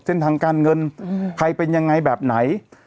เส้นทางการเงินใครเป็นยังไงแบบไหน